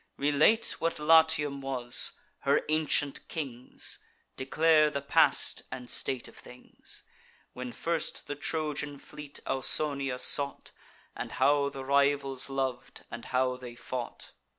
Relate what Latium was; her ancient kings; Declare the past and present state of things, When first the Trojan fleet Ausonia sought, And how the rivals lov'd, and how they fought.